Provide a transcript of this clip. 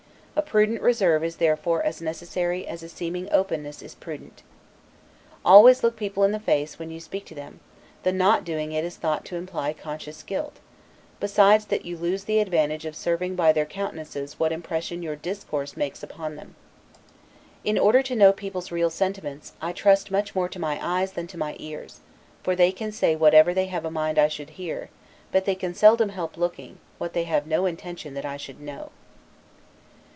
A prudent reserve is therefore as necessary as a seeming openness is prudent. Always look people in the face when you speak to them: the not doing it is thought to imply conscious guilt; besides that you lose the advantage of serving by their countenances what impression your discourse makes upon them. In order to know people's real sentiments, I trust much more to my eyes than to my ears: for they can say whatever they have a mind I should hear; but they can seldom help looking, what they have no intention that I should know.